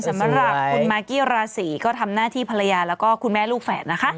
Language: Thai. สำหรับคุณมากกี้ราศีก็ทำหน้าที่ภรรยาแล้วก็คุณแม่ลูกแฝดนะคะ